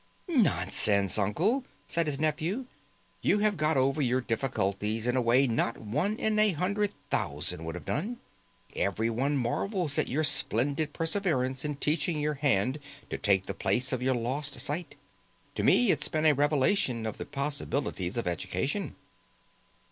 "Nonsense, uncle!" said his nephew. "You have got over your difficulties in a way not one in a hundred thousand would have done. Every one marvels at your splendid perseverance in teaching your hand to take the place of your lost sight. To me it's been a revelation of the possibilities of education."